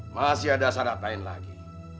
masih ada syarat lain lagi